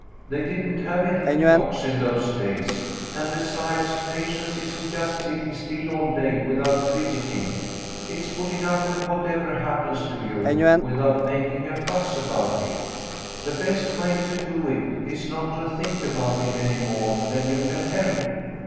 " They didn't have any clocks in those days, and besides, patience isn't just sitting still all day without fidgeting. It's putting up with whatever happens to you, without A TIME FOR PATIENCE. t>7 making a fuss about it. The best way to do it is not to think about it any more than you can help."